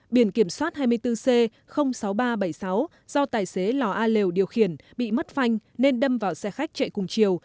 biển kiểm soát hai mươi bốn c sáu nghìn ba trăm bảy mươi sáu do tài xế lò a lều điều khiển bị mất phanh nên đâm vào xe khách chạy cùng chiều